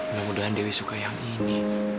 mudah mudahan dewi suka yang ini